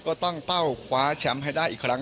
ก็ตั้งเป้าคว้าแชมป์ให้ได้อีกครั้ง